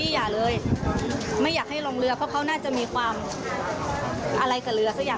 อย่าเลยไม่อยากให้ลงเรือเพราะเขาน่าจะมีความอะไรกับเรือสักอย่าง